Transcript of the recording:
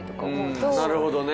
なるほどね。